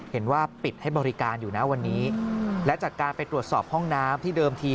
เห็นว่าปิดให้บริการอยู่นะวันนี้และจากการไปตรวจสอบห้องน้ำที่เดิมที